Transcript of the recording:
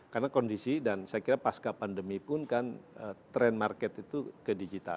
karena kondisi dan saya kira pasca pandemi pun kan trend market itu ke digital